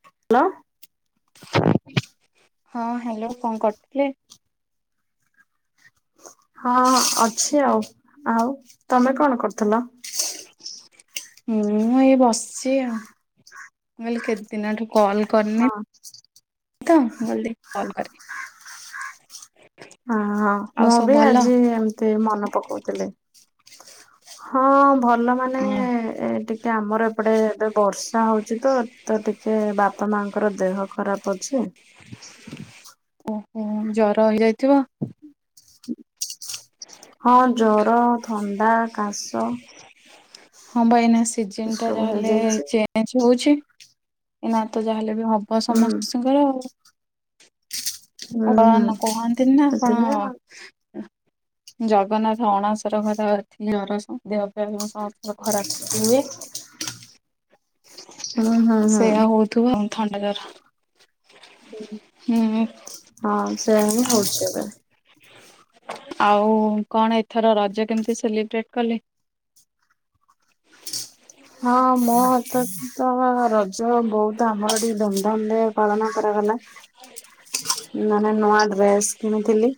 Hello. ହଁ hello କଣ କରୁଥିଲେ? ହଁ ଅଛି ଆଉ ଆଉ ତମେ କଣ କରୁଥିଲ? ହଁ ମୁଁ ଏଇ ବସିଚି ଆଉ କହିଲି କେତେ ଦିନଠାରୁ କଲ୍ ହଁ କରିନି ତ ମୁଁ କହିଲି ଟିକେ କଲ କରିବି। ହିଁ ହଁ ମୁଁ ବି ଆଜି ଏମିତି ମନେ ପକାଉଥିଲି। ହଁ ଭଲ ମାନେ ଏ ଟିକେ ଆମର ଏପଟେ ଏବେ ବର୍ଷା ହୋଉଚି ତ ତ ଟିକେ ବାପା ମାଙ୍କର ଦେହ ଖରାପ ଅଛି। ଓହୋଃ ଜର ହେଇଯାଇଥିବ। ହଁ ଜର, ଥଣ୍ଡା, କାଶ ହଁ ପା ଏଇନା ସିଜନ ଟା ଏସବୁ ଯାହା ହେଲେ ହେଇଯାଇଛି। ଚେ ଏ ହୋଉଚି ନା ତ ଯାହାହେଲେ ବି ହେବ ହୁଁ ସମସ୍ତଙ୍କର ଆଉ। ଆ ହୁଁ ହୁଁ କଣ କୁହନ୍ତିନି ନା କଣ ସେଥିପାଇଁ ଆଉ ଜଗନ୍ନାଥ ଅଣାସର ଘର ଥିଲେ ଅରସ ଦେହ ଫିହ ଖରାପ୍ ହୁଏ ହୁଁ ହୁଁ ହୁଁ। [unintelligible] ତୁ ଥଣ୍ଡା ଜୋର ହଁ ସେୟା ହିଁ ହୋଉଚି ଏବେ। ଆଉ କଣ ଏଥର ରଜ କେମିତି ସେଲିବ୍ରେଟ କଲେ? ହଁ ମୋତ ତ ତ ରଜ ବୋହୁତ ଆମର ଟିକେ ଧୁମଧାମ ରେ ପାଳନ କରାଗଲା। ମାନେ ନୂଆ ଡ୍ରେସ୍ କିଣିଥିଲି।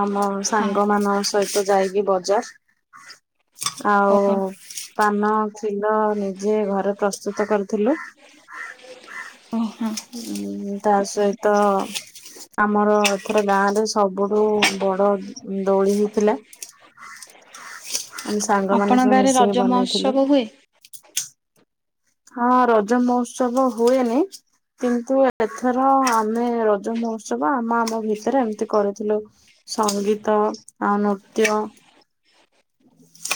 ଆମ ହଁ ସାଙ୍ଗ ମାନଙ୍କ ସହିତ ଯାଇକି ବଜାର ଆଉ ଓହୋ ପାନ ଖିଲ ନିଜେ ଘରେ ପ୍ରସ୍ତୁତ କରିଥିଲୁ। ଓହୋ ତା ସହିତ ଆମର ଏଥର ଗାଁ ରେ ସବୁଠୁ ବଡ଼ ଦୋଳି ହେଇଥିଲା। ଆମେ ସାଙ୍ଗମାନେ ଆପଣଙ୍କ ସବୁ ଗାଁରେ ରଜ ମିଶିକି ମହୋତ୍ସବ ବନେଇଥିଲୁ। ହୁଏ? ହଁ ରଜ ମହୋତ୍ସବ ହୁଏନି କିନ୍ତୁ ଏଥର ଆମେ ରଜ ମହୋତ୍ସବ ଆମ ଆମ ଭିତରେ ଏମିତି କରିଥିଲୁ ସଙ୍ଗୀତ ଆଉ ନୃତ୍ୟ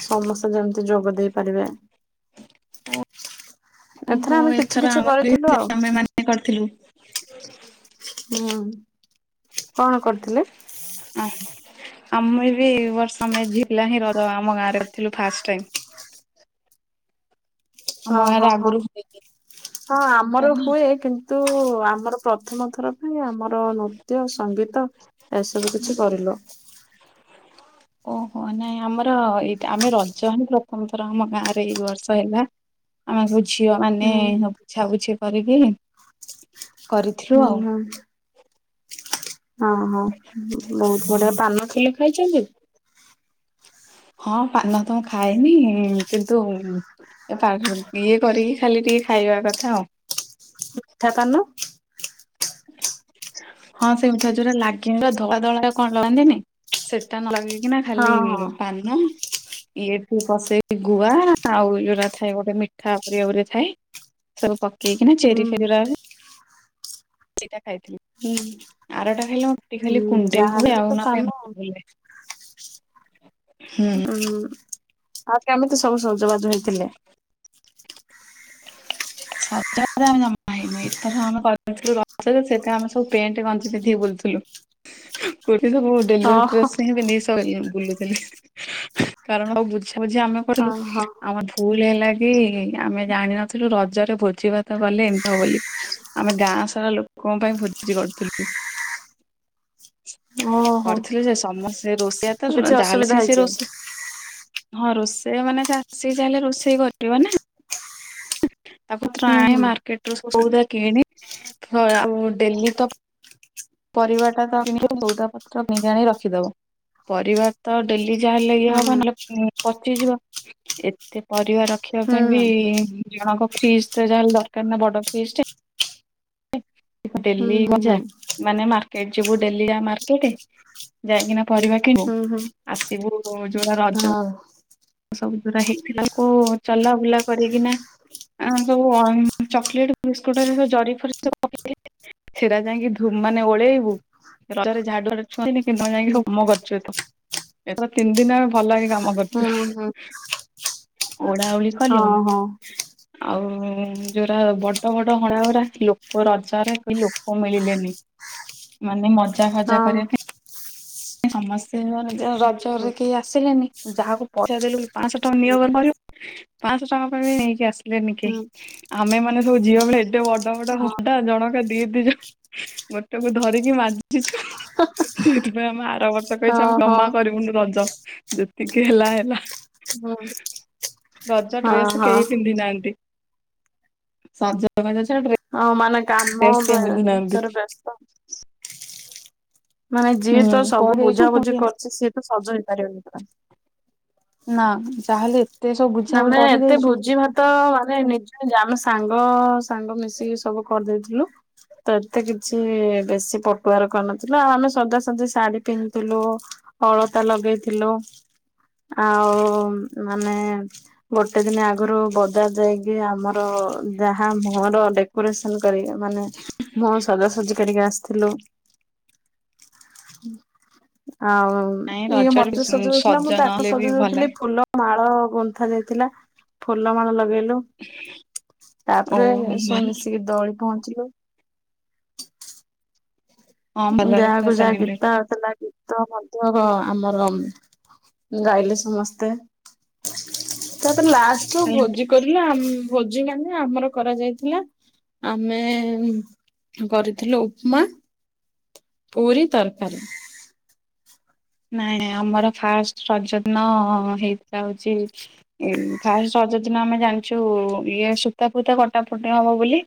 ସମସ୍ତେ ଯେମିତି ଯୋଗ ଦେଇ ପାରିବେ। ହ ଆମେ କିଛି ଏଥର କିଛି ଆମର ବି କରିଥିଲୁ ଆଉ ହେଇଥିଲା ଆମେମାନେ ବି କରିଥିଲୁ। ହୁଁ କଣ କରିଥିଲେ? ହ ଆମେ ବି ବର୍ଷେଝା ହିଁଜ ଆମ ଗାଁରେ ଅଥିଲୁ ଫାଷ୍ଟ ଟାଇମ। ଆମ ଓ ହଁ ଗାଁରେ ହଁ ଆଗରୁ ହୁଏନି। ହଁ ଆମର ହୁଏନି? ହୁଏ କିନ୍ତୁ ଆମର ପ୍ରଥମ ଥର ପାଇଁ ଆମର ନୃତ୍ୟ, ସଙ୍ଗୀତ ଏସବୁ କିଛି କରିଲୁ। [inaudible] ଓହୋଃ ନାଇଁ ଆମର ଏଇ ଆମେ ରଜ ହିଁ ପ୍ରଥମ ଥର ଆମ ଗାଁରେ ଏଇ ବର୍ଷ ହେଲା। ଆମେ ସବୁ ଝିଅ ହୁଁ ମାନେ ବୁଝାବୁଝି କରିକି କରିଥିଲୁ ହୁଁ ଆଉ। ହୁଁ। ହଁ ହଁ ବହୁତ ବଢ଼ିଆ ପାନ ଖିଲ ଖାଇଛନ୍ତି? ହଁ ପାନ ତ ମୁଁ ଖାଇନି କିନ୍ତୁ ଏ ଇଏ କରିକି ଖାଲି ଟିକେ ଖାଇବା କଥା ଆଉ। ମିଠା ପାନ। ହଁ ସେଇ ମିଠା ଯୋଉଟା ଲାଗେନି ଧଳା ଧଳା କଣ ଲଗାନ୍ତିନି ସେଟା ନ ଲଗେଇି ନା ହଁ ଖାଲି ହଁ। ପାନ ଇଏଠି କସେଇକି ଗୁଆ ଆଉ ଯୋଉଟା ଥାଏ ଗୋଟେ ମିଠା ପରିକା ଗୋଟେ ଥାଏ ସବୁ ପକେଇକି ନା ହୁଁ ଚେରି ଫେରି ଦିଟା ଖାଇ ଥିଲି। ହୁଁ। ଆରଟା ଖାଇଲେ ମୋ ପାଟି ଖାଲି ହୁଁ କୁଣ୍ଡେଇ ଯାହାହେଲେ ହୁଏ ବି ଆଉ ନହେଲେ ହୁଁ ଆଉ କେମିତି ସବୁ ସଜବାଜ ହେଇଥିଲେ? ସଜ ଆମେ ଜମା ହେଇନୁ ଏଥର ଆମେ ସେଟ ଆମେ ସବୁ। [unintelligible] ପେଣ୍ଟ ଗଞ୍ଜି ପିନ୍ଧିକି ବୁଲୁଥିଲୁ ସବୁ ଡେଲି ୟୁଜର ଓହୋ ଡ୍ରେସ୍ ହିଁ ପିନ୍ଧିକି ବୁଲୁଥିଲି କାରଣ ଆଉ ବୁଝା ବୁଝି ଆମେ କରିଲୁ ଓହୋ ଆମ ଭୁଲ ହେଲା କି ଆମେ ଜାଣିନଥିଲୁ ରଜ ଭୋଜି ଭାତ କଲେ ଏମିତି ହବ ବୋଲି ଆମେ ଗାଁ ସାରା ଲୋକଙ୍କ ପାଇଁ ଭୋଜି କରୁଥିଲୁ। [inaudible] ଓହୋ କରିଥିଲେ ଯେ ସମସ୍ତେ ରୋଷେଇଆ ତ କିଛି ଯାହାଲେ ଅସୁବିଧା ସେ ସେ ହେଇଛି ରୋଷେଇ ହଁ ରୋଷେଇ ମାନେ ଆସିଛି ଯାହାହେଲେ ରୋଷେଇ କରିବ ନା। ପରିବା ପତ୍ର ହୁଁ ଆଣି ହୁଁ ମାର୍କେଟ ରୁ ସଉଦା କିଣି ଆଉ ଡେଲି ତ ପରିବାଟା ତ କିଣିବ ସଉଦ ପତ୍ର କିିଣି ଆଣି ରଖିଦବ। ପରିବା ତ ଡେଲି ଯାହାହେଲେ ଇଏ ହବ ନହେଲେ ପଚିଯିବ। ଏତେ ପରିବା ରଖିବା ହୁଁ ପାଇଁ ବି ଜଣଙ୍କ ଫ୍ରିଜ ତ ଯାହାହେଲେ ଦରକାର ନା ବଡ ଫ୍ରିଜ ଟେ। [inaudible] ହୁଁ ଡେଲି ହୁଁ ହୁଁ ମଜା। ମାନେ ମାର୍କେଟ ଯିବୁ ଡେଲିଆ ମାର୍କେଟ ଯାଇକିନା ପରିବା କିଣିବୁ ହୁଁ ହୁଁ ହୁଁ ଆସିବୁ। ଓ ଯଉରା ରଜ ହଉ ସବୁ ଯୋଉରା ହେଇଥିଲା ମାନେ କୋଉ ଚଲାବୁଲା କରିକିନା। ଆ ସବୁ ଚକୋଲେଟ ବିସ୍କୁଟରେ ସବୁ ଜରିଫରି ସବୁ ପକେଇଥିଲେ ସେରା ଯାଇକି ମାନେ ଓଳେଇବୁ ରଜରେ ଝାଡୁରା ଛୁଅନ୍ତିନି କିନ୍ତୁ ତମେ ହୁଁ ଯାଇକି କାମ କରୁଛ ତୁ। ଏଥର ତିନି ଦିନି ଆମେ ଭଲଇକି କାମ କରୁଛୁ। ହୁଁ ହୁଁ ଓଳା ଓଳି କଲୁ ହଁ। ଆଉ ଯୋଉଁରା ବଡ଼ ବଡ଼ ହଳାରା ଲୋକ ରଜରେ କେହି ଲୋକ ମିଳିଲେନି। ମାନେ ମଜା ଫଜା ହଁ କରିବାପାଇଁ ସମସ୍ତେ ରଜ ହୁଁ ରଜରେ ହୁଁ କେହି ଆସିଲେନି ଯାହାକୁ ପଇସା ଦେଲୁ ବି ପାଞ୍ଚଶହ ଟଙ୍କା ନିଅ ବୋଲି କରିବ। ପାଞ୍ଚଶହ ଟଙ୍କା ପାଇଁ ବି ନେଇକି ଆସିଲେନି ହୁଁ କେହି। ଆମେ ମାନେ ସବୁ ଝିଅ ବେଳେ ଏଟେ ବଡ ବଡ ହଁ ହୁଅନ୍ତା ଜଣକା ଦି ଦି ଜଣ ଗୋଟେକୁୁ ଧରିକି ମାଜିଛୁ। ହଁ ହଁ। ଆମେ ଆର ବର୍ଷ କହିଛୁ ଆମେ ଜମା କରିବୁନୁ ରଜ ଯେ ଏତିକି ହେଲା ହେଲା ହୁଁ ରଜ ହଁ ଡ୍ରେସ୍ ହଁ କେହି ପିନ୍ଧି ନାହାନ୍ତି। ସଜ ହବାତ ଛାଡ଼ ଡ୍ରେ ହଁ ମାନେ କାମ ଭି ଭିତରେ ବ୍ୟସ୍ତ। ମାନେ ଯିଏ ତ ହୁଁ ସବୁ କରିଦେଇଛୁ ବୁଝାବୁଝି ପୁଣି କରୁଛି ସିଏ ତ ସଜ ହେଇପାରିବନି ପ୍ରାୟ। ନା ଯାହାହେଲେ ସବୁ ବୁଝାବୁଝି ଆମେ ଏତେ କରିଦେଇଛୁ। ଭୋଜି ଭାତ ତ ଆମେ ନିଜେ ଆମେ ସାଙ୍ଗ ସାଙ୍ଗ ମିଶିକି ସବୁ କରି ଦେଇଥିଲୁ। ତ ଏତେ କିଛି ବେଶୀ ପଟୁଆର କରିନଥିଲା ଆଉ ଆମେ ସଜାସଜି ଶାଢୀ ପିନ୍ଧିଥିଲୁ। ଅଳତା ଲଗେଇଥିଲୁ ଆଉ ମାନେ ଗୋଟେ ଦିନ ଆଗରୁ ବଜାର ଯାଇକି ଆମର ଯାହା ମୁହଁର ଡେ ପୁରସନ୍ କରିବେ ମାନେ ବହୁଁ ସଜାସଜି କରିକି ଆସିଥିଲୁ। ଆଉ। ନାଇଁ ଇଏ ରଜରେ ମତେ ସଜଉ ଥିଲା ସଜ ମୁଁ ତାକୁ ନହେଲେ ବି ସଜଉ ଭଲ ଥିଲି ଫୁଲ ମାଳ ଗୁନ୍ଥା ଯାଇଥିଲା ଫୁଲ ମାଳ ଲଗେଇଲୁ। ତାପରେ ଓହୋ ସବୁ ଭଲ ମିଶିକି ଦଳି ପହଞ୍ଚିଲୁ। ହଁ ଭଲରେ ପୁରା ଯାହାକୁ ଯାହା ସେଲିବ୍ରେଟ ଗୀତା ଆଉଥିଲା ଗୀତ ମଧ୍ୟ ଆମର ଗାଇଲେ ସମସ୍ତେ ତାପରେ ଲାଷ୍ଟରୁ ହେଲା। ଭୋଜି କରିଲା ମଃ ଭୋଜି ମାନେ ଆମର କରାଯାଇଥିଲା। ଆମେ କରିଥିଲୁ ଉପମା। ପୁରୀ ତରକାରୀ। ନାଇଁ ଆମର ଫାଷ୍ଟ ରଜ ଦିନ ହେଇ ଥିଲା ହଉଛି। ଏଇ ଫାଷ୍ଟ ରଜ ଦିନ ଆମେ ଜାଣିଛୁ ଇଏ ସୂତା ଫୁତା କଟାଫଟା ହବ ବୋଲି।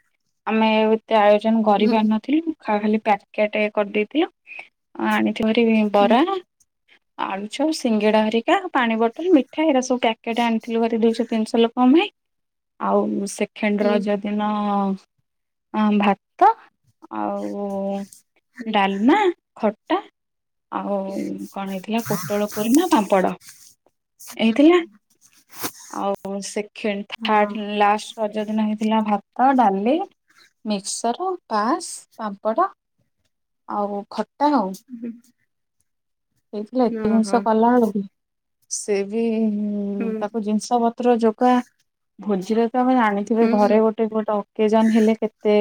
ଆମେ ଏ ଏତେ ଆୟୋଜନ କରି ହୁଁ ପାର ନଥିଲୁ ଖାଲି ପ୍ୟାକେଟ କରିଦେଇଥିଲ। ଅ ଆଣିଥି ଭରି ହୁଁ ବରା। ଆଳୁଛପ ସିଙ୍ଗିଡା ହରିକା ପାଣି ବୋଟଲ ମିଠା ଏରା ସବୁ ପ୍ୟାକେଟ ଆଣିଥିଲୁ ଭରି ଦୁଇଶହ ତିନିଶହ ଲୋକଙ୍କ ପାଇଁ ଆଉ ସେକେଣ୍ଡ ହୁଁ ରଜ ଦିନ ଭାତ ଆଉ ଡାଲମା ଖଟା ଆଉ କଣ ହେଇଥିଲା ପୋଟଳ। କୁରୁମା ପାମ୍ପଡ଼ ଏଇଥିଲା। ଆଉ ସେକେଣ୍ଡ ହଁ ଥାର୍ଡ଼ ଲାଷ୍ଟ ରଜ ଦିନ ହେଇଥିଲା ଭାତ ଡାଲି। ମିକ୍ସର ପାସ୍ ପାମ୍ପଡ ଆଉ ଖଟା ଆଉ। ହୁଁ। ହେଇଥିଲା ଏତେ ଜିନିଷ କଲାବେଳକୁ ସିଏ ବି ହଁ ତାକୁ ଜିନିଷ ବ ପତ୍ର ଯୋଗା ଭୋଜିରେ ତ ତମେ ଜାଣିଥିବେ ହୁଁ ଘରେ ଗୋ ଟେ ଅକେଜନ ହେଲେ କେତେ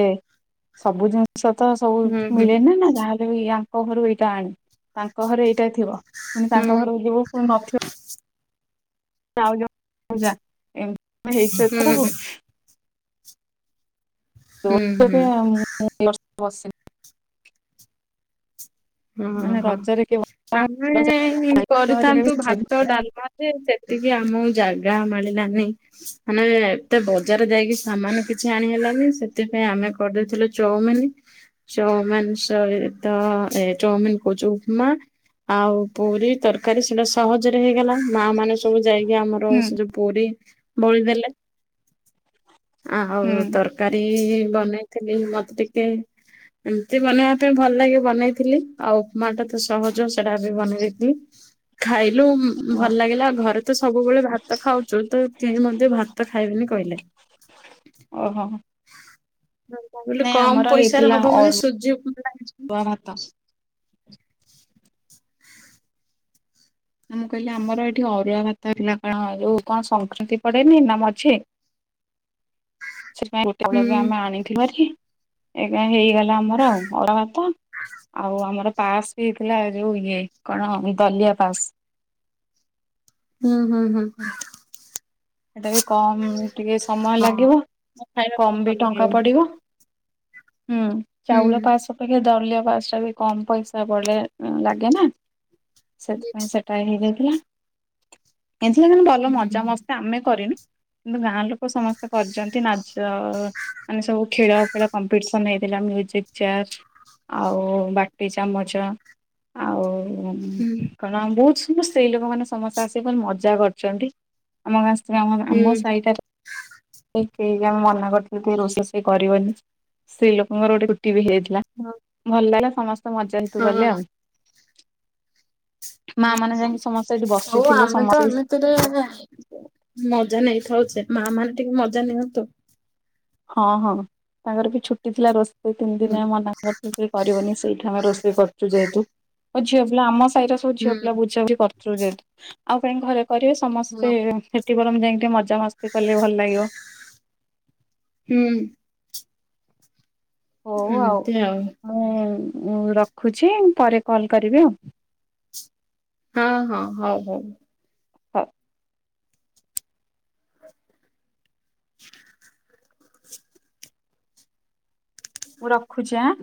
ସବୁ ଜିନିଷ ତ ସବୁ ହୁଁ ହୁଁ ହୁଁ ମିଳେ ନା ଯାହା ଏଇ ଆଙ୍କ ଘରୁ ଏଇଟା ଆଣେ ତାଙ୍କ ଘରେ ଏଇଟା ଥିବ ପୁଣି ତାଙ୍କ ଘରକୁ ଯିବୁ ପୁଣି ନଥିବ। ଆଉ [unintelligible] ଯା ଏମତି ହେଇଛି ହୁଁ ଏଥର ଆଉ। ହୁଁ ହୁଁ ତୋର ତ ହୁଁ ଯାହା ମୁଁ ଏ ବର୍ଷ ବସିିନି। ଓ ମାନେ ହଁ ରଜରେ କିଏ ଆମେ କରିଥାନ୍ତୁ ଭାତ ଡାଲମା। ସେ ସେତିକି ଆମକୁ ଜାଗା ମାଳିଲାନି। ମାନେ ଏତେ ବଜାର ଯାଇକି ସାମାନ କିଛି ଆଣି ହେଲାନି ସେଥିପାଇଁ ଆମେ କରିଦେଇଥିଲୁ ଚଉମିିନ ଚଉମିିନ ସହିତ ଏ ଚାଉମିିନ କହୁଛି ଉପମା। ଆଉ ପୁରୀ ତରକାରୀ ସେଟା ସହଜରେ ହେଇଗଲା ମା ମାନେ ସବୁ ଯାଇକି ଆମର ହୁଁ ର ସେ ଯୋଉ ପୁରୀ ବଳିଦେଲେ ଆଉ ହୁଁ ତୋର୍ କାରୀ ବନେଇଥିଲି ମତେ ଟିକେ ଏମିତି ବନେଇବା ପାଇଁ ଭଲ ଲାଗେ ବନେଇଥିଲି। ଆଉ ଉପମା ଟା ତ ସହଜ ସେଟା ବି ବନେଇ ଦେଇେଇଲି। ଖାଇଲୁ ଭଲ ଲାଗିଲା ଘରେ ତ ସବୁବେଳେ ଭାତ ଖାଉଚୁ ତ କେହି ମତେ ଭାତ ଖାଇବେନି କହିଲେ। [inaudible] ଓହୋ। ହଁ କଁ କଲୁ ନାଇଁ କମ୍ ଆମର ପଇସାର ହେଇଥିଲା ହବ ମାନେ ଅରୁଆ ସୂଯି ପୁରା ଭାତ ନା ମୁଁ କହିଲି ଆମର ଏଇଠି ଅରୁଆ ଭାତ ହୋ କଣ ଯୋଉ କଣ ସଂସ୍କୃତି ପଡେନି ନା ମଝି। [inaudible] ସେଥିପାଇଁ ଗୋ ହୁଁ ଆଳ ବି ଆମେ ଆଣିଥିଲୁ ବାରି। ଏଗା ହେଇଗଲା ଆମର ଆଉ ଅଳାଭାତ। ଆଉ ଆମର ପାସ୍ ବି ହେଇଥିଲା ଯୋଉ ଇଏ କଣ ଦଲିଆ ପାସ୍। ହୁଁ ହୁଁ ହୁଁ। ସେଟା ବି କମ୍ ଏମ୍ସିସ୍ ଟିକେ ସମୟ ହଁ। ଲାଗିବ ଖାଇବା ପାଇଁ କମ୍ ବି ଭଲ ଟଙ୍କା ଲାଗିବ ପଡ଼ିବ। ହୁଁ ହୁଁ ଚାଉଳ ପାସ୍ ଅପେକ୍ଷା ଦଲିୀୟ ପାସ୍ ଟା ବି କମ୍ ପଇସା ବଲେ ଲାଗେ ନା। ସେଥିପାଇଁ ସେଟା ହେଇଯାଇଥିଲା ହେଥିଲା ମାଁ ଭଲ ହୁଁ ମଜା ମସ୍ ଆମେ କରିନୁ କିନ୍ତୁ ଗାଁ ଲୋକ ସମସ୍ତେ କରିଚନ୍ତି ନାଚ ମାନେ ସବୁ ଖେଳ ପେଳ କମ୍ପିଟିସନ୍ ହେଇଥିଲା ମ୍ୟୁଜିକ୍ ଚେୟାର୍ ଆଉ ବାଟି ଚାମଚ। ଆଉ ହୁଁ କଣ ବହୁତ୍ ସବୁ ସେଇ ଲୋକମାନୋନେ ସମସ୍ତେ ଆସିକାଇ ମଜା କରିଚନ୍ତି। ଆମ ଗାଁସ୍ତ୍ ରେ ଆମର୍ ଆମ ହୁଁ। ସାଇଟା କେଇ କା ଆମେ ମନା କରିଥିଲି ଟିକେ ରଷେଇ କରିବନି ସ୍ତ୍ରୀ ଲୋକଙ୍କର ଗୋଟେ ଟିବି ହେଇଥିଲା ଭଲ ଲାଗିଲା ସମସ୍ତେ ମଜା ହଁ ହେତୁ ହଁ କଲେ ଆଉ ମା ହୁଁ ମାନେ ହୁଁ ଯାଇକି ସମସ୍ତେ ଏଠି ହୋଉ ବସିଥିଲେ ଆମେ ତ ସମସ୍ତେ ମେ ତ ମଜା ନେଇଥାଉଛେ ମା ମାନେ ଟିକେ ମଜା ନିଅନ୍ତୁ। ହଁ ହଁ ତାଙ୍କର ବି ଛୁଟି ଥିଲା ରୋଷେଇ ତିନି ହୁଁ ଦିନିଆ ମନା ବତୁ ବି କରିବନି ସେଇଠି ଆମେ ରୋଷେଇ କରୁଚୁ ଯେହେତୁ ଝିଅ ପିଲା ଆମ ସାଇର ଓଉ ହୁଁ ଝିଅ ପିଲା ବୁଝା ବୁଝି କର୍ଚୁ ଯେଏତୁ ଆଉ କାଇଁ ଘରେ କରିବେ ସମସ୍ତେ ହଁ। ଟି ବରମ୍ ଯାଇଁ ଟିଏ ମଜା ମସ୍ତି କଲେ ଭଲ୍ ଲାଗିବ। ହୁଁ। ଏମିତି ଆଉ। ମୁଁ ରଖୁଛି ପରେ କଲ କରିବି ଆଉ। ହଁ ହଁ ହୋଉ ହୋଉ। ହ। [inaudible] ମୁଁ ରଖୁଚି ଆଁ